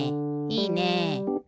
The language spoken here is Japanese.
いいね！